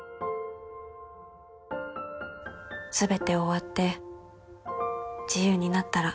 「全て終わって自由になったら」